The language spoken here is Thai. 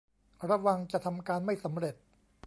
ระวังจะทำการไม่สำเร็จ